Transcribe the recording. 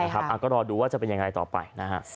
ใช่ครับอะก็รอดูว่าจะเป็นยังไงต่อไปนะฮะ